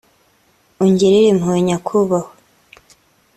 ungirire impuhwe nyakubahwa